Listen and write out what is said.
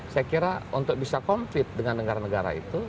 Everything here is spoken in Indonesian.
saya kira untuk bisa compete dengan negara negara itu